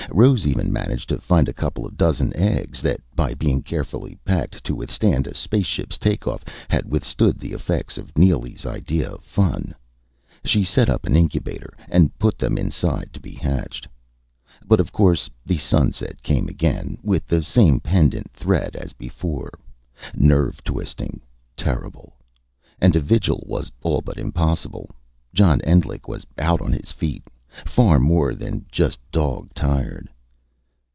Rose even managed to find a couple of dozen eggs, that by being carefully packed to withstand a spaceship's takeoff had withstood the effects of Neely's idea of fun. She set up an incubator, and put them inside, to be hatched. But, of course, sunset came again with the same pendent threat as before. Nerve twisting. Terrible. And a vigil was all but impossible. John Endlich was out on his feet far more than just dog tired....